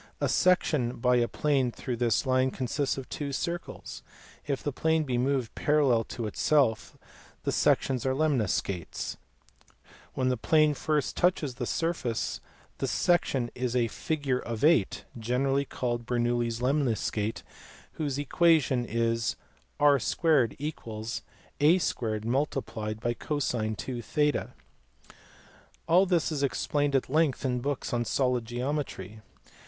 A section by a plane through this line consists of two circles ; if the plane be moved parallel to itself the sec tions are lemniscates ; when the plane first touches the surface the section is a " figure of eight," generally called Bernoulli s lenmiscate, whose equation is r 2 = a 2 cos 20. All this is ex plained at length in books on solid geometry.